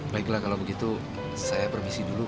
baiklah kalau begitu saya permisi dulu